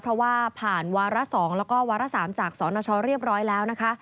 เพราะว่าผ่านวาระ๒แล้วก็วาระ๓จากสนชเรียบร้อยแล้วนะคะ